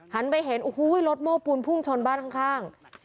ไปเห็นโอ้โหรถโม้ปูนพุ่งชนบ้านข้าง